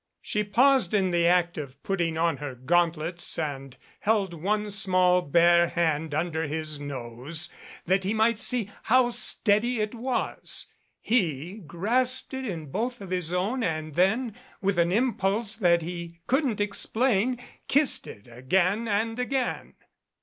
She paused in the act of putting on her gauntlets and held one small bare hand under his nose that he might see how steady it was. He grasped it in both of his own and then, with an impulse that he couldn't explain, kissed it again and again.